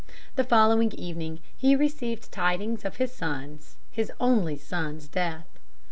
The following evening he received tidings of his son's his only son's death.